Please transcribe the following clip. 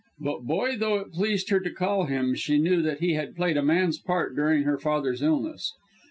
But boy though it pleased her to call him, she knew that he had played a man's part during her father's illness.